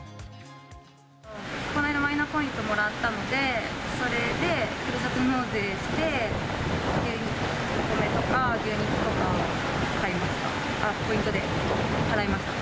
この間マイナポイントをもらったので、それでふるさと納税して、お米とか牛肉とか買いました、ポイントで払いました。